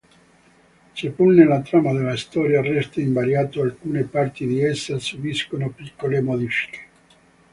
Seppur nella trama della storia resta invariato, alcune parti di essa subiscono piccole modifiche.